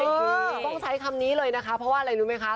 ต้องใช้คำนี้เลยนะคะเพราะว่าอะไรรู้ไหมคะ